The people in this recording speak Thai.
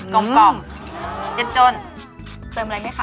กลมกล่อมเจ็บจนเติมอะไรไหมคะ